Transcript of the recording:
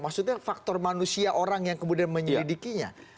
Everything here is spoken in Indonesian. maksudnya faktor manusia orang yang kemudian menyelidikinya